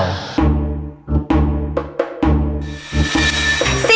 สินเจ้า